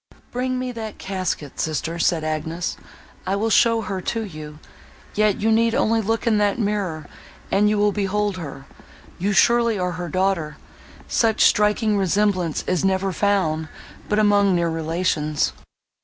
"Bring me that casket, sister," said Agnes; "I will show her to you; yet you need only look in that mirror, and you will behold her; you surely are her daughter: such striking resemblance is never found but among near relations."